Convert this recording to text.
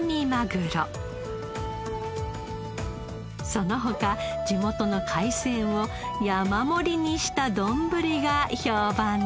その他地元の海鮮を山盛りにしたどんぶりが評判です。